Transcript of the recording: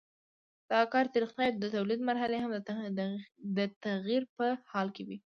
د کار طریقې او د تولید مرحلې هم د تغییر په حال کې وي.